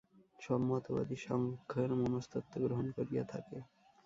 সব মতবাদই সাংখ্যের মনস্তত্ত্ব গ্রহণ করিয়া থাকে।